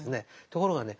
ところがね